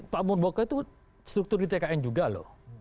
pak muldoko itu struktur di tkn juga loh